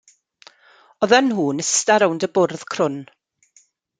Oddan nhw'n ista rownd bwrdd crwn.